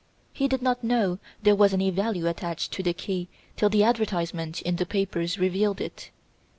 He did not know there was any value attached to the key till the advertisement in the newspapers revealed it.